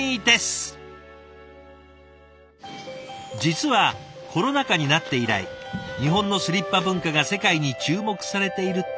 実はコロナ禍になって以来日本のスリッパ文化が世界に注目されているってご存じでしたか？